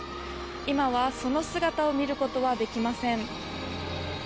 今はその姿を見ることはできません。